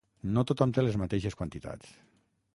No tothom té les mateixes quantitats.